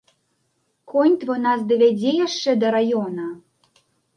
Конь твой нас давязе яшчэ да раёна?